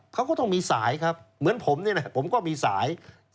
เขาก็ต้องมีสายครับเหมือนผมเนี่ยนะผมก็มีสาย